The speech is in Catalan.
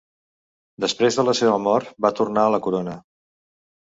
Després de la seva mort, va tornar a la corona.